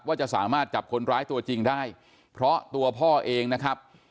ว่าจะสามารถจับคนร้ายตัวจริงได้เพราะตัวพ่อเองนะครับ